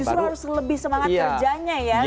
justru harus lebih semangat kerjanya ya